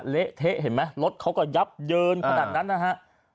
เละเทะเขาก็ยับเยินขนาดนั้นนะฮะ